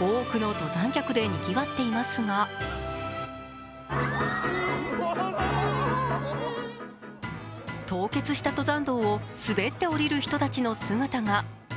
多くの登山客でにぎわっていますが凍結した登山道を滑って下りる人たちの姿が。